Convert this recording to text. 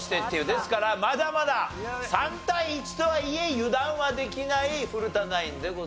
ですからまだまだ３対１とはいえ油断はできない古田ナインでございます。